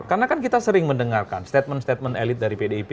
karena kan kita sering mendengarkan statement statement elit dari pdip